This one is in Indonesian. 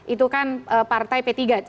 itu kan partai p tiga